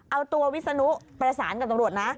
เอาตัววิศนุประสานกับตำรวจนะ